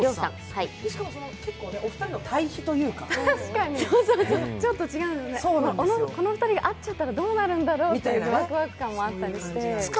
結構、お二人の対比というかこの２人が会っちゃったらどうなるんだろうっていうワクワク感もあったりして。